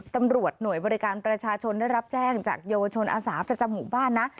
ตำรวจหน่วยบริการประชาชนได้รับแจ้งจากเยาวชนอาสาประจำหมู่บ้านนะ